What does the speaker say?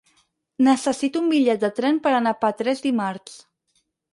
Necessito un bitllet de tren per anar a Petrés dimarts.